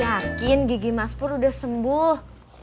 yakin gigi mas pur udah sembuh